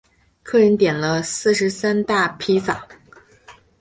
客人点了四十三大披萨